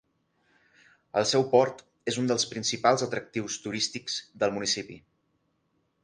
El seu port és un dels principals atractius turístics del municipi.